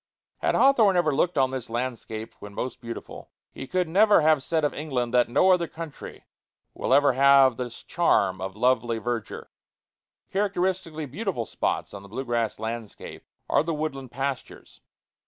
Had Hawthorne ever looked on this landscape when most beautiful, he could never have said of England that "no other country will ever have this charm of lovely verdure." Characteristically beautiful spots on the blue grass landscape are the woodland pastures.